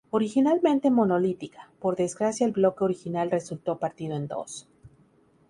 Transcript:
Originalmente monolítica, por desgracia el bloque original resultó partido en dos.